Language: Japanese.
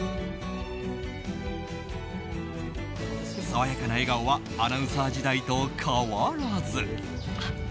爽やかな笑顔はアナウンサー時代と変わらず。